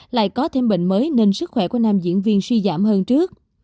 lại có thêm bệnh mới nên sức khỏe của nam diễn viên suy giảm hơn trước